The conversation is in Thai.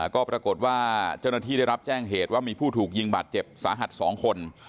ก็ปรากฏว่าเจ้าหน้าที่ได้รับแจ้งเหตุว่ามีผู้ถูกยิงบาดเจ็บสาหัส๒คน